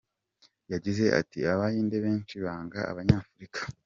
Yagize ati “Abahinde benshi banga abanyafurika.